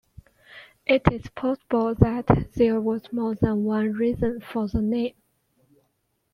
It is possible that there was more than one reason for the name.